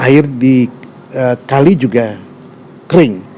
air di kali juga kering